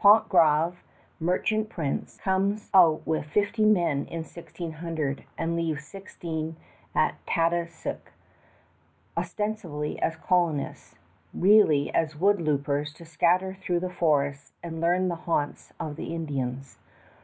Pontgravé, merchant prince, comes out with fifty men in 1600, and leaves sixteen at Tadoussac, ostensibly as colonists, really as wood lopers to scatter through the forests and learn the haunts of the Indians.